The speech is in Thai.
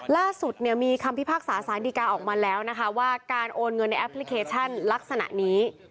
ล่าสุดมีคำพิพากษาสารดีกาออกมาแล้วนะคะว่าการโอนเงินในแอปพลิเคชันลักษณะนี้